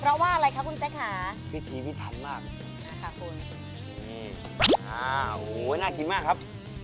เพราะว่าอะไรคะคุณเจ๊ค่ะพิธีพิธรรมมากน่ากินมากครับ